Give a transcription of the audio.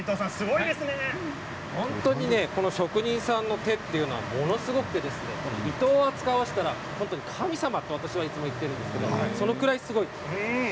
本当に職人さんの手というのものすごくて糸を扱わせたら神様と私はいつも言っているんですけどそのぐらいすごいです。